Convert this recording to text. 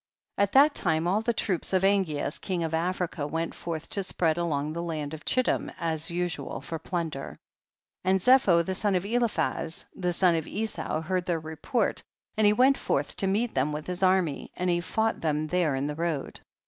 10. At that time all the troops of Angeas king of Africa went forth to spread along the land of Chittim as usual for plunder. 1 1 . And Zepho the son of Eliphaz the son of Esau heard their report, and he went forth to meet them with his army, and he fougiit them there in the road.